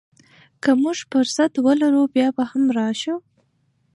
که موږ فرصت ولرو، بیا به هم راشو.